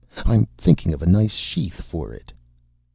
I am thinking of a nice sheath for it."